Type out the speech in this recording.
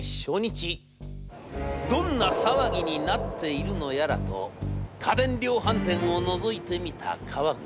どんな騒ぎになっているのやらと家電量販店をのぞいてみた川口。